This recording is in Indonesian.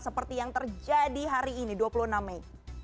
seperti yang terjadi hari ini dua puluh enam mei